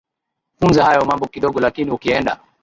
funza hayo mambo kidogo lakini ukienda